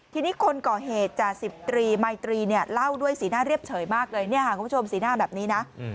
ทีนี้คนก่อเหตุจ่าสิบตรีมายตรีเนี่ยเล่าด้วยสีหน้าเรียบเฉยมากเลยเนี่ยค่ะคุณผู้ชมสีหน้าแบบนี้นะ